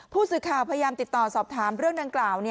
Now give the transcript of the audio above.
ผู้สื่อข่าวพยายามติดต่อสอบถามเรื่องดังกล่าว